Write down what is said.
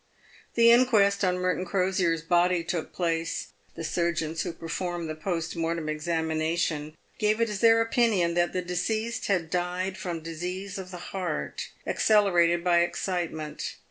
The inquest on Merton Crosier's body took place. The surgeons who performed the post mortem examination gave it as their opinion that the deceased had died from disease of the heart, accelerated by excitement.